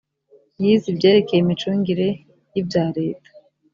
yize ibyerekeye imicungire y‘ibya leta